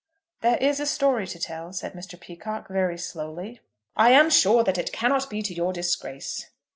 "There is a story to tell," said Mr. Peacocke, very slowly. "I am sure that it cannot be to your disgrace."